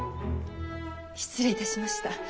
失礼いたしました。